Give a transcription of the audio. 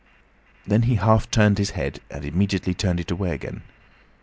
Then he half turned his head and immediately turned it away again.